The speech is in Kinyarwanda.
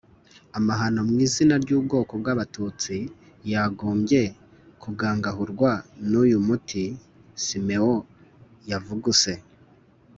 amahano mu izina ry'ubwoko bw'abatutsi, yagombye kugangahurwa n'uyu muti Simeon yavuguse.